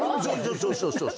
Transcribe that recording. そうそうそうそう。